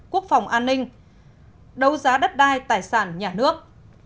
quốc phòng an ninh đấu giá đất đai tài sản nhà nước